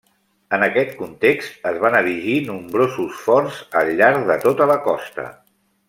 En aquest context, es van erigir nombrosos forts al llarg de tota la costa.